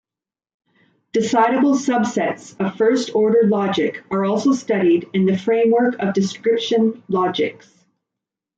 Decidable subsets of first-order logic are also studied in the framework of description logics.